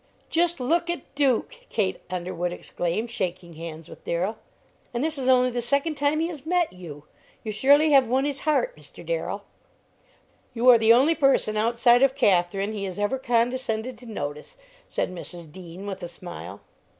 "Just look at Duke!" Kate Underwood exclaimed, shaking hands with Darrell; "and this is only the second time he has met you! You surely have won his heart, Mr. Darrell." "You are the only person outside of Katherine he has ever condescended to notice," said Mrs. Dean, with a smile.